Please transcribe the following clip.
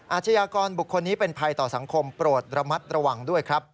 อาชญากรบุคคลนี้เป็นภัยต่อสังคมโปรดระมัดระวังด้วยครับ